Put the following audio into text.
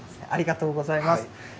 ありがとうございます。